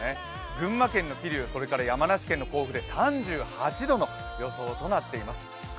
群馬県の桐生、山梨県の甲府で３８度の予想となっています。